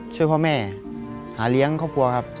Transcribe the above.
ช่วยพ่อแม่หาเลี้ยงครอบครัวครับ